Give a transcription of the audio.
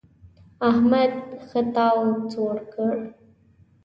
احمد ښه تاو سوړ کړ.